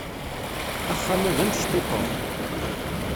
Axxam-a d amectiṭuḥ.